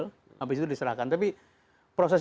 habis itu diserahkan tapi proses